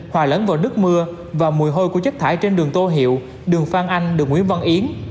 hòa lẫn vào nước mưa và mùi hôi của chất thải trên đường tô hiệu đường phan anh đường nguyễn văn yến